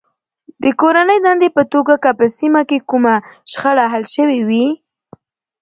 د کورنۍ دندې په توګه که په سیمه کې کومه شخړه حل شوې وي.